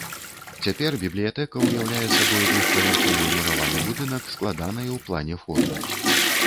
Цяпер бібліятэка ўяўляе сабой двухпавярховы мураваны будынак складанай у плане формы.